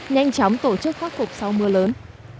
nhanh chóng tổ chức phát phục sau mưa lớn